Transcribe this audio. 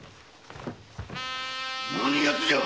何やつじゃ！